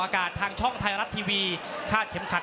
รอคะแนนจากอาจารย์สมาร์ทจันทร์คล้อยสักครู่หนึ่งนะครับ